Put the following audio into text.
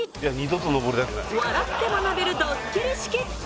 笑って学べるドッキリ式。